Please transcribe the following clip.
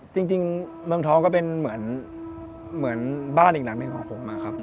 จริงเมืองท้องก็เป็นเหมือนบ้านอีกหนังเป็นของผม